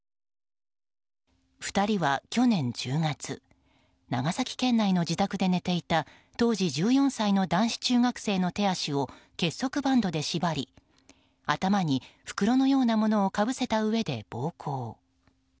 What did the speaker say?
２人は去年１０月長崎県内の自宅で寝ていた当時１４歳の男子中学生の手足を結束バンドで縛り頭に袋のようなものをかぶせたうえで暴行。